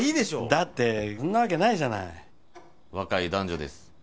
だってそんなわけないじゃない若い男女です